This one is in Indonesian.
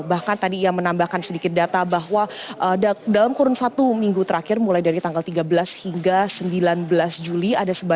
bahkan tadi ia menambahkan sedikit data bahwa dalam kurun satu minggu terakhir mulai dari tanggal tiga belas hingga sembilan belas juli